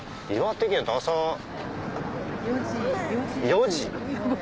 ４時？